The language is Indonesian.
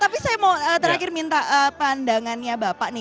tapi saya mau terakhir minta pandangannya bapak nih